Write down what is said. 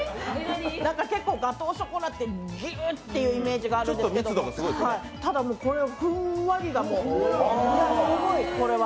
結構ガトーショコラってぎゅーっというイメージがあるんですけどただふんわりがすごい、これは。